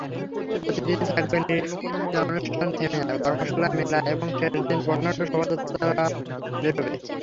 প্রতিদিন থাকবে নৃত্যানুষ্ঠান, সেমিনার, কর্মশালা, মেলা এবং শেষ দিন বর্ণাঢ্য শোভাযাত্রা বেেরাবে।